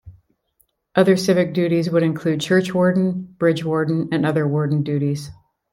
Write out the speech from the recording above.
Other civic duties would include churchwarden, bridge warden, and other warden duties.